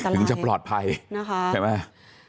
ถึงจะปลอดภัยใช่ไหม